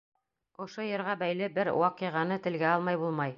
Ошо йырға бәйле бер ваҡиғаны телгә алмай булмай.